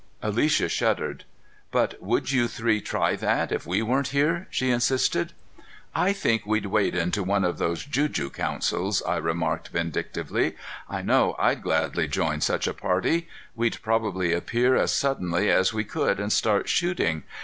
Alicia shuddered. "But would you three try that if we weren't here?" she insisted. "I think we'd wade into one of those juju councils," I remarked vindictively. "I know I'd gladly join such a party. We'd probably appear as suddenly as we could and start shooting.